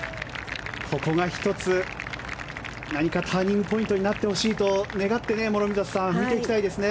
ここが１つ何かターニングポイントになってほしいと願って諸見里さん見ていきたいですね。